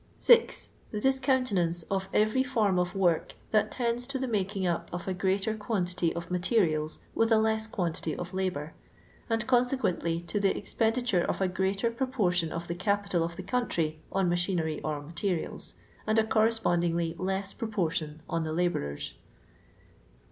6. The discountenance of every form of work that tends to the making up of a greater quantity of materials with a less quantity of labour; and consequently to the expendi ture of a greater proportion of the capital of the country on machinery or materials, and a correspondingly less proportion on the labourers.